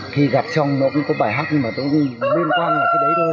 khi gặp trong nó cũng có bài hát nhưng mà tôi luôn liên quan là cái đấy thôi